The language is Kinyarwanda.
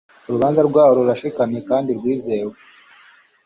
Urubanza rwawe rurashikamye kandi rwizewe